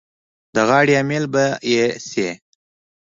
د غاړې امېل به یې شي.